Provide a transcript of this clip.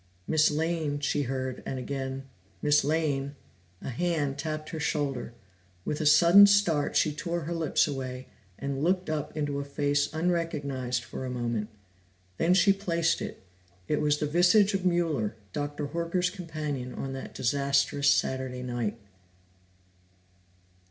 "Miss Lane," she heard, and again, "Miss Lane." A hand tapped her shoulder; with a sudden start, she tore her lips away, and looked up into a face unrecognized for a moment. Then she placed it. It was the visage of Mueller, Dr. Horker's companion on that disastrous Saturday night.